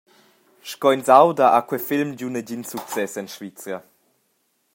Sco ins auda ha quei film giu negin success en Svizra.